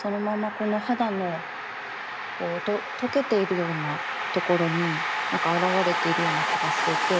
この肌のこう溶けているようなところになんか表れているような気がしていて。